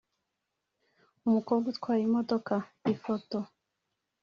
Umukobwa utwaye imodoka / Ifoto